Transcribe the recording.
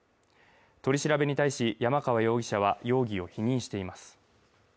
取り調べに対し山川容疑者は容疑を否認しています